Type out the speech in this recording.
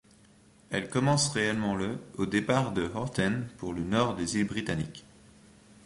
Elle commence réellement le au départ de Horten pour le nord des îles britanniques.